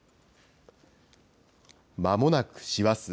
まもなく師走。